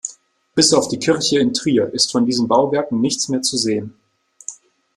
Bis auf die Kirche in Trier ist von diesen Bauwerken nichts mehr zu sehen.